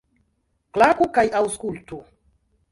Klaku kaj aŭskultu!